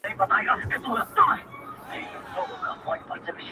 o څه د اضدادو مجموعه یې د بلا لوري ـ